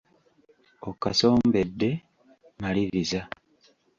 Okasombedde, maliriza.